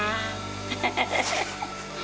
ハハハハ！